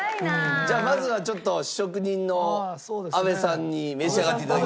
じゃあまずはちょっと試食人の阿部さんに召し上がって頂きましょう。